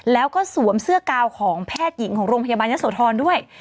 แล้วก็สวมเสื้อกาวของแพทย์หญิงของโรงพยาบาลยะโสธรด้วย